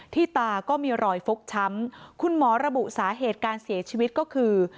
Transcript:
ตาก็มีรอยฟกช้ำคุณหมอระบุสาเหตุการเสียชีวิตก็คือ